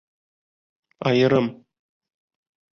Айырым!